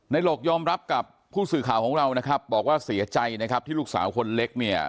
โหลกยอมรับกับผู้สื่อข่าวของเรานะครับบอกว่าเสียใจนะครับที่ลูกสาวคนเล็กเนี่ย